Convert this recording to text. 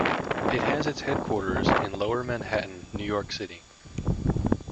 It has its headquarters in Lower Manhattan, New York City.